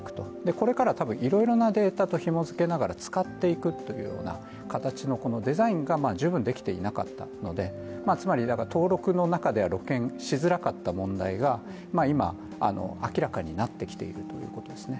これから多分いろいろなデータとひもづけながら使っていくというような形のデザインが十分できていなかったので、つまり登録の中では露見しづらかった問題が今、明らかになってきているということですね。